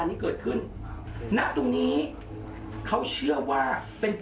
ด้วยโดยเศษนิสาติมือเหนื่อยหน้าร้อน